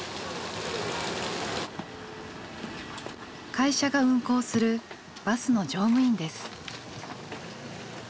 会社が運行するバスの乗務員です。